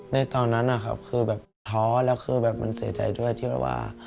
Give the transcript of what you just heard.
ในตอนนั้นอะครับคือแบบท้อแล้วคือแบบมันเสียใจด้วย